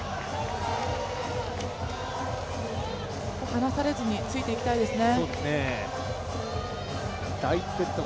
離されずに、ついていきたいですね。